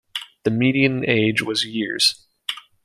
The median age was years.